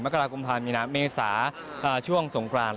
กรากุมภามีนาเมษาช่วงสงกราน